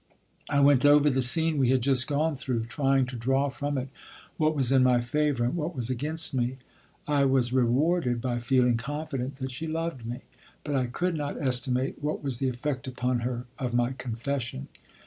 I went over the scene we had just gone through, trying to draw from it what was in my favor and what was against me. I was rewarded by feeling confident that she loved me, but I could not estimate what was the effect upon her of my confession.